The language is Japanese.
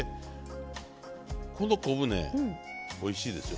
この昆布ねおいしいですよ。